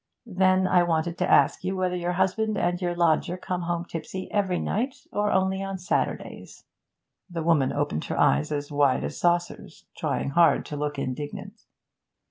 Then I wanted to ask you whether your husband and your lodger come home tipsy every night, or only on Saturdays?' The woman opened her eyes as wide as saucers, trying hard to look indignant.